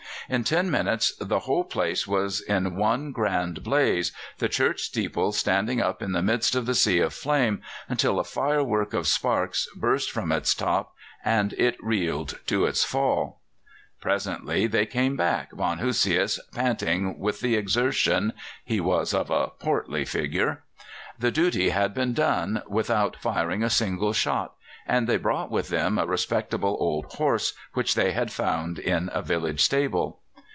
In ten minutes the whole place was in one grand blaze, the church steeple standing up in the midst of the sea of flame until a firework of sparks burst from its top and it reeled to its fall. "Presently they came back, von Hosius panting with the exertion (he was of a portly figure). The duty had been done without firing a single shot, and they brought with them a respectable old horse which they had found in a village stable."